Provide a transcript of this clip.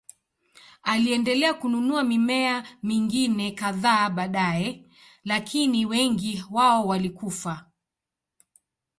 Aliendelea kununua mimea mingine kadhaa baadaye, lakini wengi wao walikufa.